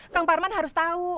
kang parman harus tau